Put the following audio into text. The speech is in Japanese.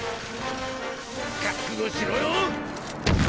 覚悟しろよ！